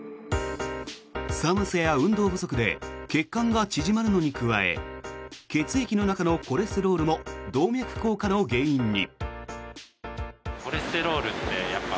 寒さや運動不足で血管が縮まるのに加え血液の中のコレステロールも動脈硬化の原因に。